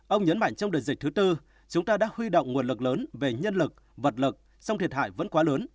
ông nhấn mạnh trong đợt dịch thứ tư chúng ta đã huy động nguồn lực lớn về nhân lực vật lực song thiệt hại vẫn quá lớn